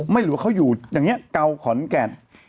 หรือว่าเขาอยู่อย่างนี้เก่าขอนแก่น